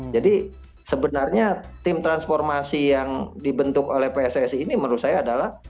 jadi sebenarnya tim transformasi yang dibentuk oleh pssi ini menurut saya adalah